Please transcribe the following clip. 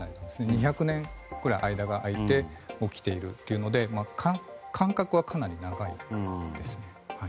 ２００年ぐらい間が開いて起きているというので間隔はかなり長いですね。